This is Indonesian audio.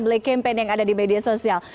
black campaign yang ada di media sosial